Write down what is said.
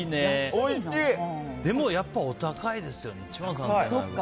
でも、やっぱりお高いですよね。